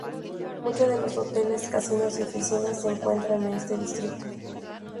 Muchos de los hoteles, casinos y oficinas se encuentran en este distrito.